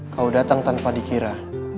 kau datang tanpa dikira